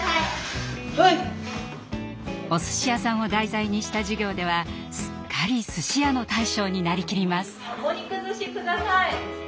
おすし屋さんを題材にした授業ではすっかりすし屋の大将になりきります。